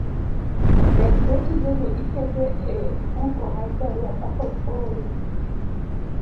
Bende tijego iketo e ofuko mag barua kapok oorgi.